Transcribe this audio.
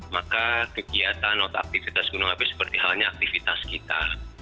maka kegiatan atau aktivitas gunung api seperti halnya aktivitas kita